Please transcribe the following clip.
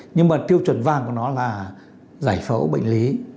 nhưng mà tiêu chuẩn vàng của nó là giải phẫu bệnh lý